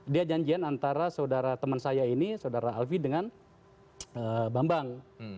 dia janjian antara saudara teman saya ini saudara alfie dengan bambang